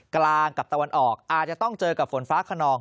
กลางกับตะวันออกอาจจะต้องเจอกับฝนฟ้าขนอง